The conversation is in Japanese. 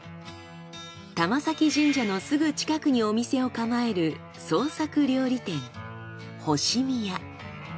玉前神社のすぐ近くにお店を構える創作料理店